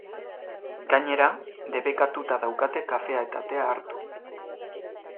Gainera, debekatuta daukate kafea eta tea hartu.